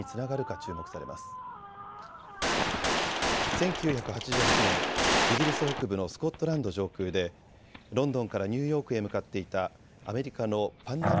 １９８８年、イギリス北部のスコットランド上空でロンドンからニューヨークへ向かっていたアメリカのパンナム